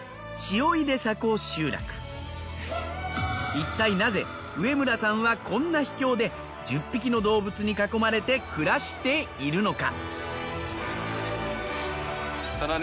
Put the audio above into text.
一体なぜ植村さんはこんな秘境で１０匹の動物に囲まれて暮らしているのか？